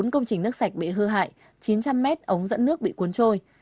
bốn công trình nước sạch bị hư hại chín trăm linh mét ống dẫn nước bị cuốn trôi